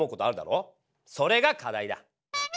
それが課題だ！